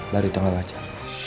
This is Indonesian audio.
baru itu gak wajar